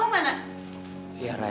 udah ketemu abah mana